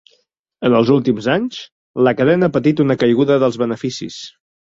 En els últims anys, la cadena ha patit una caiguda dels beneficis.